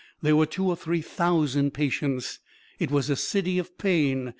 there were two or three thousand patients; it was a City of Pain.